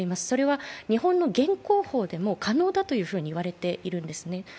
それは日本の現行法でも可能だと言われているんですね。